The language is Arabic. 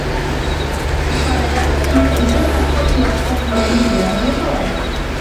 فَقَالَ يَا أَبَتِ فَإِنْ أَنَا أَكْثَرْتُ وَأَكْثَرْت يَعْنِي كَلَامًا وَصَوَابًا